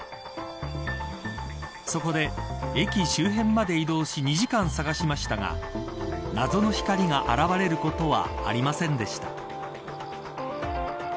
そこで、駅周辺まで移動し２時間探しましたが夏の光が現れることはありませんでした。